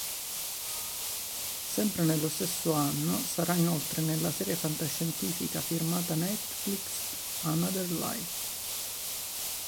Sempre nello stesso anno sarà inoltre nella serie fantascientifica firmata Netflix "Another Life".